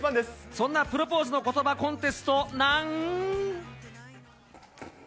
そんなプロポーズの言葉コンテストなん。